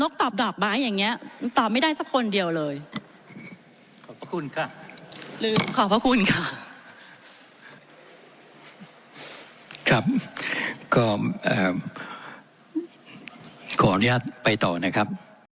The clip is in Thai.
ขออนุญาตไปต่อนะครับ